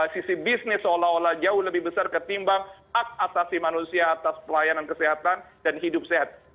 sisi bisnis seolah olah jauh lebih besar ketimbang hak asasi manusia atas pelayanan kesehatan dan hidup sehat